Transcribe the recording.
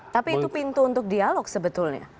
tapi itu pintu untuk dialog sebetulnya